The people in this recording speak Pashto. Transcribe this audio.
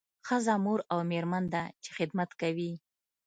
ښځه مور او میرمن ده چې خدمت کوي